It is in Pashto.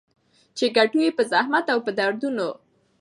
چي ګټو يې په زحمت او په دردونو